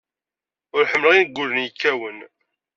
Ur ḥemmleɣ ingulen yekkawen.